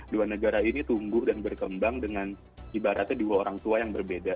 dua negara ini tumbuh dan berkembang dengan ibaratnya dua orang tua yang berbeda